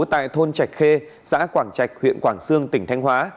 tại thôn trạch khê xã quảng trạch huyện quảng sương tỉnh thanh hóa